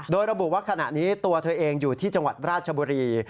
โดยระบุว่าขณะนี้ตัวเธอเองอยู่ที่จังหวัดราชบุรี